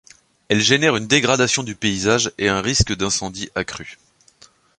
Elles génèrent une dégradation du paysage et un risque d'incendie accru.